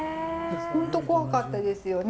本当怖かったですよね。